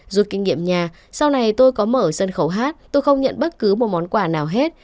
rút kinh nghiệm nhà sau này tôi có mở sân khấu hát tôi không nhận bất cứ một món quà nào hết